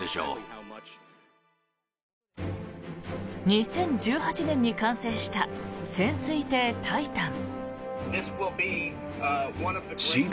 ２０１８年に完成した潜水艇「タイタン」。